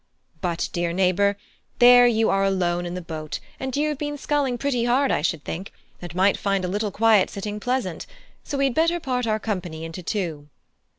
But, dear neighbour, there you are alone in the boat, and you have been sculling pretty hard I should think, and might find a little quiet sitting pleasant; so we had better part our company into two."